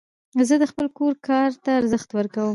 زه د خپل کور کار ته ارزښت ورکوم.